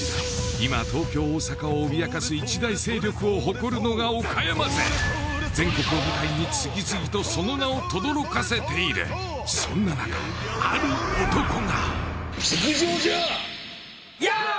今東京大阪を脅かす一大勢力を誇るのが岡山勢全国を舞台に次々とその名をとどろかせているそんな中ある男が・やー！